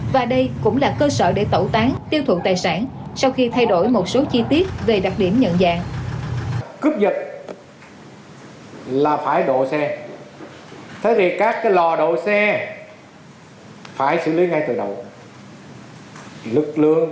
và đây cũng là cơ sở để tẩu tán tiêu thụ tài sản sau khi thay đổi một số chi tiết về đặc điểm nhận dạng